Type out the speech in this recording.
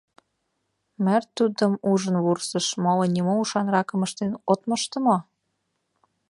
Мӓрт тудым ужын вурсыш: «Моло нимо ушанракым ыштен от мошто мо?